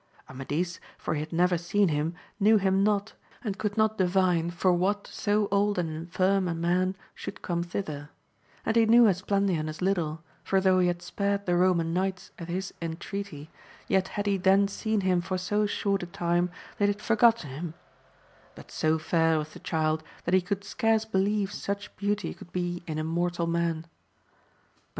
Amadis, for he had' never seen him, knew him not, and could not divine for what so old and infirm a man should come thither ; and he knew Esplandian as little, for though he had spared the Eoman knights at his intreaty, yet had he then seen him for so short a time, that he had for gotten him ; but so fair was the child, that he could scarce believe such beauty could be in a mortal man.